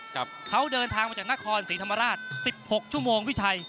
เขาเดินทางมาจากนครศรีธรรมราชสิบหกชั่วโมงพี่ชัย